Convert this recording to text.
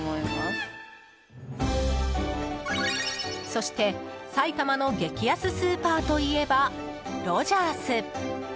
そして埼玉の激安スーパーといえばロヂャース。